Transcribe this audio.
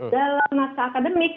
dalam masa akademik